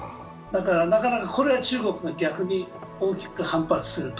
なかなかこれは中国が逆に大きく反発すると。